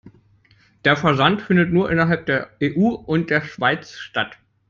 Der Versand findet nur innerhalb der EU und der Schweiz statt.